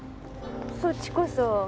そっちこそ。